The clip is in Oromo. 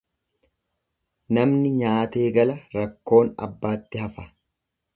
Namni nyaatee gala rakkoon abbaatti hafa.